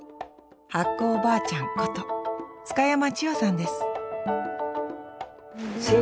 発酵おばあちゃんこと津嘉山千代さんです